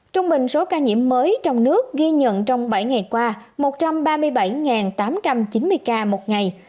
trung bình số ca nhiễm mới trong nước ghi nhận trong bảy ngày qua một trăm ba mươi bảy tám trăm chín mươi ca một ngày